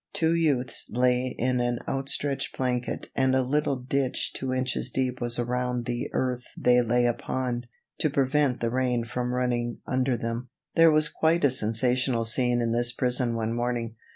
Two youths lay in an outstretched blanket and a little ditch two inches deep was around the earth they lay upon, to prevent the rain from running under them. There was quite a sensational scene in this prison one morning.